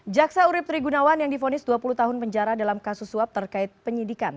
jaksa urib trigunawan yang difonis dua puluh tahun penjara dalam kasus suap terkait penyidikan